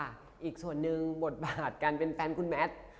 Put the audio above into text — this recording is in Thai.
อีกส่วนหนึ่งบทบาทการเป็นแฟนคุณแมท